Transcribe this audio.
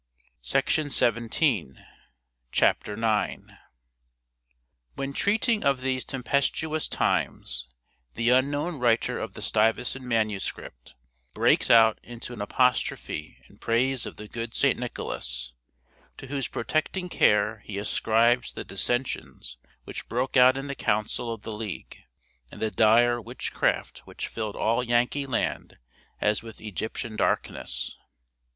New Eng. b. vi. ch. 7. CHAPTER IX. When treating of these tempestuous times, the unknown writer of the Stuyvesant manuscript breaks out into an apostrophe in praise of the good St. Nicholas, to whose protecting care he ascribes the dissensions which broke out in the council of the league, and the direful witchcraft which filled all Yankee land as with Egyptian darkness.